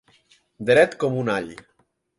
Dret com un all.